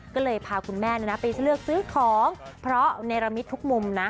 ก็เลยพาคุณแม่ไปเลือกซื้อของเพราะเนรมิตทุกมุมนะ